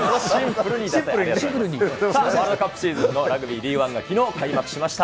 ワールドカップシーズンのラグビーリーグワンがきのう、開幕しました。